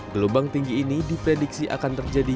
gelombang tinggi ini diprediksi akan terjadi